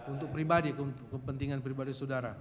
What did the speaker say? untuk pribadi kepentingan pribadi saudara